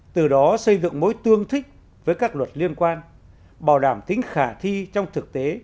từ đó xây dựng mối tương thích với các luật liên quan bảo đảm tính khả thi trong thực tế